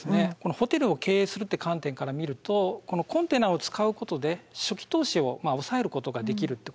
ホテルを経営するって観点から見るとこのコンテナを使うことで初期投資を抑えることができるってことなんですね。